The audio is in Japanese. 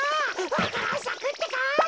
わか蘭さくってか？